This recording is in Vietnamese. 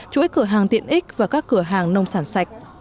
chuỗi cửa hàng tiện ích và các cửa hàng nông sản sạch